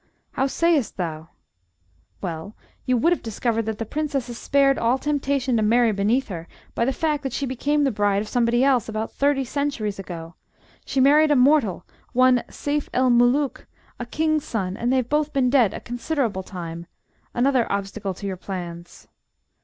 "How sayest thou?" "Well, you would have discovered that the Princess is spared all temptation to marry beneath her by the fact that she became the bride of somebody else about thirty centuries ago. She married a mortal, one Seyf el Mulook, a King's son, and they've both been dead a considerable time another obstacle to your plans."